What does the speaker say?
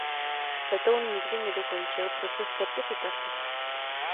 Letoun nikdy nedokončil proces certifikace.